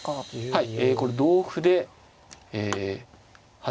はい。